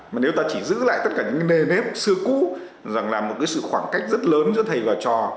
mà nếu ta chỉ giữ lại tất cả những nề nếp xưa cũ rằng là một cái sự khoảng cách rất lớn giữa thầy và trò